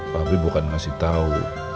tapi bukan ngasih tau